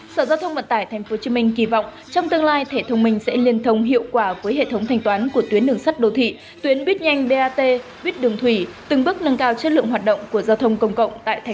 sở giao thông vận tải tp hcm kỳ vọng trong tương lai thẻ thông minh sẽ liên thông hiệu quả với hệ thống thanh toán của tuyến đường sắt đô thị tuyến buýt nhanh bat buýt đường thủy từng bước nâng cao chất lượng hoạt động của giao thông công cộng tại tp hcm